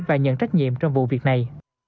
và nhận trách nhiệm trong vụ việc này